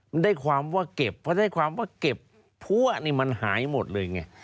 มันได้ความว่าเก็บเพราะได้ความว่าเก็บพัวนี่มันหายหมดเลยไง